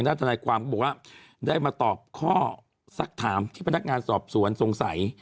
ทนายความก็บอกว่าได้มาตอบข้อสักถามที่พนักงานสอบสวนสงสัย